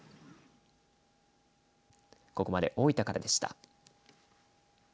ここまで大分からでした。